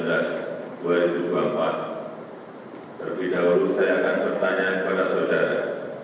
terlebih dahulu saya akan bertanya kepada saudara